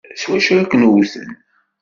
S wacu ay ken-wten?